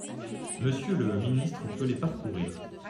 Monsieur le ministre peut les parcourir.